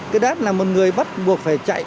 cái đát là một người bắt buộc phải chạy